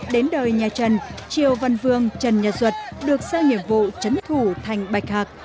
đến đời nhà trần triều văn vương trần nhật duật được sao nhiệm vụ chấn thủ thành bạch hạc